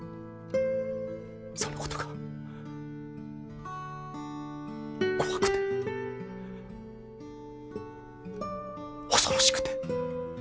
その事が怖くて恐ろしくて。